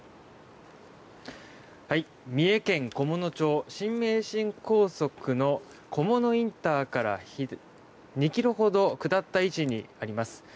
三重県菰野町新名神高速の菰野インターから２ｋｍほど下った位置にあります。